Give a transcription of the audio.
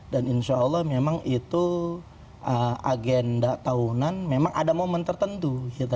dan insya allah memang itu agenda tahunan memang ada momen tertentu